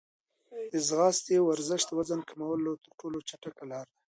د ځغاستې ورزش د وزن د کمولو تر ټولو چټکه لاره ده.